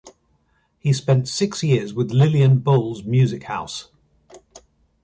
He spent six years with Lillian Bowles Music House.